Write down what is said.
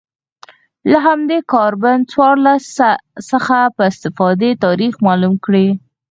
له همدې کاربن څوارلس څخه په استفادې تاریخ معلوم کړي